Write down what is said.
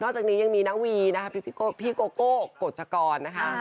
จากนี้ยังมีนาวีนะคะพี่โกโก้กฎชกรนะคะ